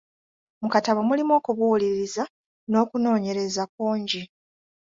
Mu katabo mulimu okubuuliriza n’okunoonyereza kungi.